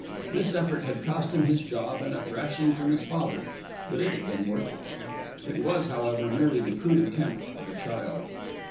This effort had cost him his job and a thrashing from his father, but it had been worth it. It was, however, merely the crude attempt of a child.